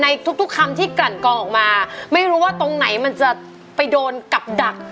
ทุกทุกคำที่กลั่นกองออกมาไม่รู้ว่าตรงไหนมันจะไปโดนกับดัก